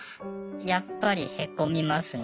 やっぱりへこみますね。